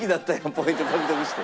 ポイント獲得して。